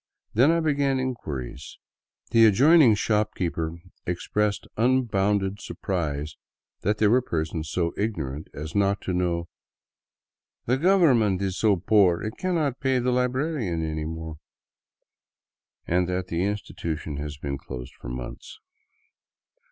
Then I began inquiries. The adjoining shopkeeper expressed unbounded surprise that there were persons so ignorant as not to know " the government is so poor it cannot pay the librarian any more," and that the institution had been closed for months.